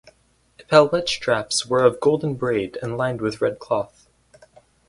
Epaulette straps were of golden braid and lined with red cloth.